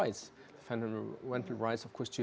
hak asal tentu saja untuk memiliki